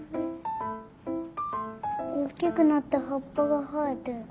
おっきくなってはっぱがはえてる。